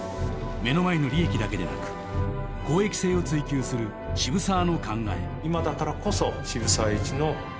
目の前の利益だけでなく公益性を追求する渋沢の考え。